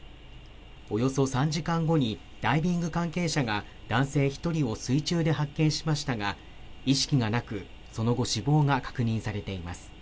およそ３時間後にダイビング関係者が男性１人を水中で発見しましたが、意識がなく、その後、死亡が確認されています。